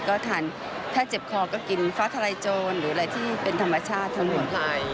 ก็ทานแพทย์เจ็บคอก็กินฟ้าทะลายโจนหรืออะไรที่เป็นธรรมชาติทั้งหมด